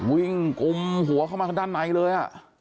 กุมหัวเข้ามาด้านในเลย